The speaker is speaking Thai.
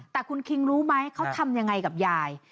แต่คุณคิงรู้ไหมเขาทำยังไงกับยาย